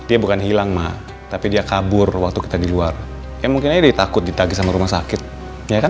dia bukan hilang mak tapi dia kabur waktu kita di luar ya mungkin aja takut ditagi sama rumah sakit ya kan